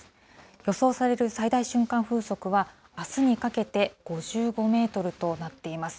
予想される最大瞬間風速は、あすにかけて５５メートルとなっています。